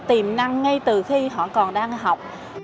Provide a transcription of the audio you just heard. tiềm năng ngay từ khi họ còn đang học